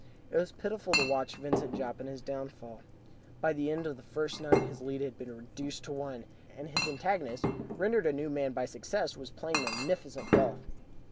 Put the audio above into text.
It was pitiful to watch Vincent Jopp in his downfall. By the end of the first nine his lead had been reduced to one, and his antagonist, rendered a new man by success, was playing magnificent golf.